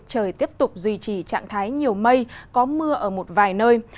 trời tiếp tục duy trì trạng thái nhiều mây có mưa ở một vài nơi